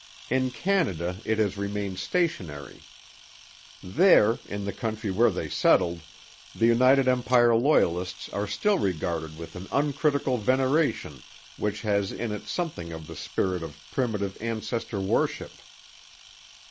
In Canada it has remained stationary. There, in the country where they settled, the United Empire Loyalists are still regarded with an uncritical veneration which has in it something of the spirit of primitive ancestor worship.